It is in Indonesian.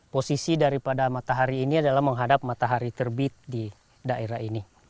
posisi daripada matahari ini adalah menghadap matahari terbit di daerah ini